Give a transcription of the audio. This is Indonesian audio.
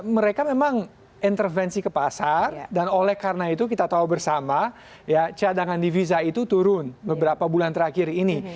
mereka memang intervensi ke pasar dan oleh karena itu kita tahu bersama cadangan divisa itu turun beberapa bulan terakhir ini